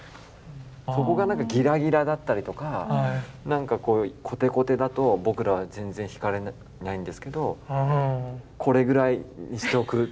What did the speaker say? そこが何かギラギラだったりとか何かこうコテコテだと僕らは全然惹かれないんですけどこれぐらいにしておく。